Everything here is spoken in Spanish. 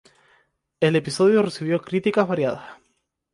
El episodio recibió críticas variadas.